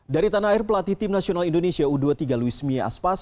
dari tanah air pelatih tim nasional indonesia u dua puluh tiga luis mia aspas